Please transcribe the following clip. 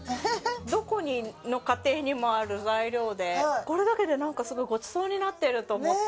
どこの家庭にもある材料でこれだけでなんかすごいごちそうになってると思って。